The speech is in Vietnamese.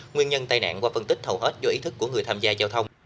nguyên nhân tai nạn qua phân tích hầu hết do ý thức của người tham gia giao thông